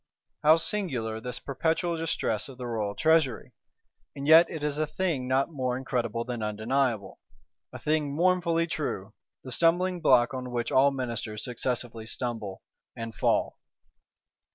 How singular this perpetual distress of the royal treasury! And yet it is a thing not more incredible than undeniable. A thing mournfully true: the stumbling block on which all Ministers successively stumble, and fall.